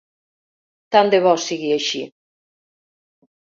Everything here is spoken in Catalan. Tant de bo sigui així.